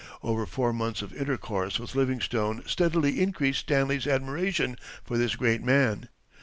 Over four months of intercourse with Livingstone steadily increased Stanley's admiration for this great man.